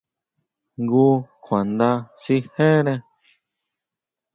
Jngu kjuanda sijere.